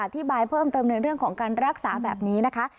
เพิ่มเติมในเรื่องของการรักษาแบบนี้นะคะ